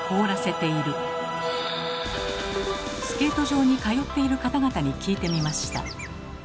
スケート場に通っている方々に聞いてみました。